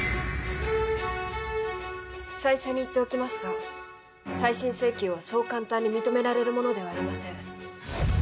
最初に言っておきますが再審請求はそう簡単に認められるものではありません。